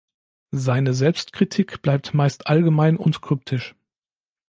Seine Selbstkritik bleibt meist allgemein und kryptisch.